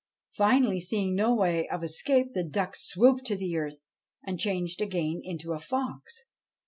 Finally, seeing no way of escape, the duck swooped to earth, and changed again into a fox.